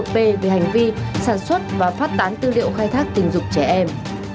hai trăm sáu mươi một b về hành vi sản xuất và phát tán tư liệu khai thác tình dục trẻ em